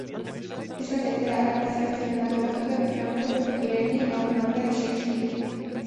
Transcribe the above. Es la tercera adaptación cinematográfica de Franco Zeffirelli a una obra de Shakespeare.